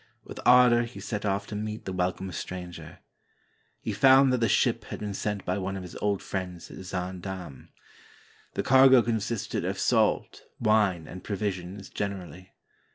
With ardor he set off to meet the welcome stranger. He found that the ship had been sent by one of his old friends at Zaandam. The cargo consisted of salt, wine, and provisions gener ally.